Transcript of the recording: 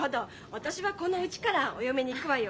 私はこのうちからお嫁に行くわよ。